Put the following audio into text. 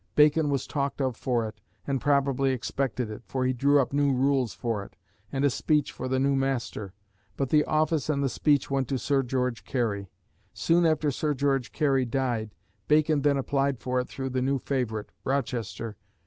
Bacon was talked of for it, and probably expected it, for he drew up new rules for it, and a speech for the new master; but the office and the speech went to Sir George Carey. Soon after Sir George Carey died. Bacon then applied for it through the new favourite, Rochester.